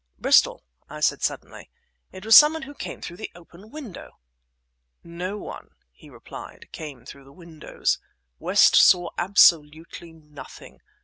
"Bristol," I said suddenly, "it was someone who came through the open window." "No one," he replied, "came through the windows. West saw absolutely nothing.